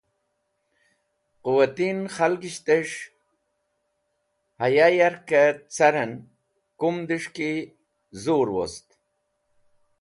Qẽwating khalgishtẽs̃h haya yarkẽ carẽn kumdẽs̃h ki zur